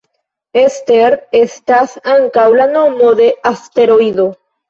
Ester estas ankaŭ la nomo de asteroido.